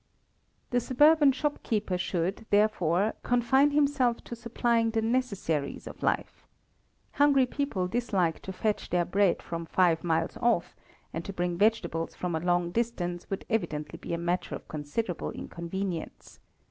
The suburban shopkeeper should, therefore, confine himself to supplying the necessaries of life. Hungry people dislike to fetch their bread from five miles off; and to bring vegetables from a long distance would evidently be a matter of considerable inconvenience.